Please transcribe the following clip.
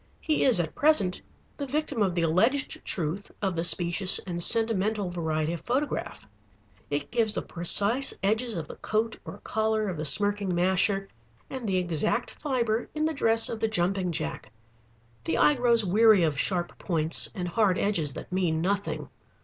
He is at present the victim of the alleged truth of the specious and sentimental variety of photograph. It gives the precise edges of the coat or collar of the smirking masher and the exact fibre in the dress of the jumping jack. The eye grows weary of sharp points and hard edges that mean nothing.